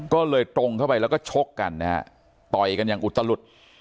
ก็เลยตรงเข้าไปแล้วก็ชกกันนะฮะต่อยกันอย่างอุตลุด